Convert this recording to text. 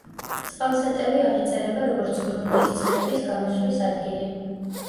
წყალსატევი აღიწერება, როგორც გრუნტის წყლების გამოსვლის ადგილი.